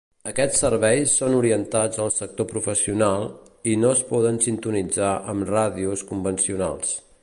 Aquests serveis són orientats al sector professional, i no es poden sintonitzar amb ràdios convencionals.